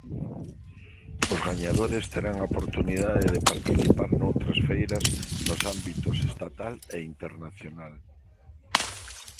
Os gañadores terán a oportunidade de participar noutras feiras nos ámbitos estatal e internacional.